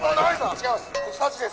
違います